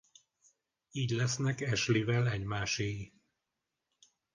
Így lesznek Ashleyvel egymáséi.